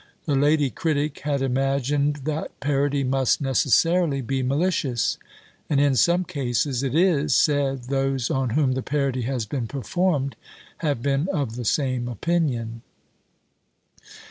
The lady critic had imagined that PARODY must necessarily be malicious; and in some cases it is said those on whom the parody has been performed have been of the same opinion.